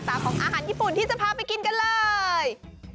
ของอาหารญี่ปุ่นที่จะพาไปกินกันเลย